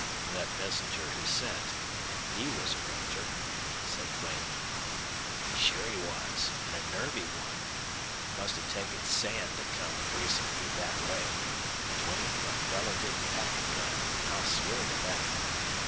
"That messenger he sent he was a ranger," said Duane. "Sure he was, and a nervy one! It must have taken sand to come bracing you that way. Duane, the fellow didn't pack a gun. I'll swear to that.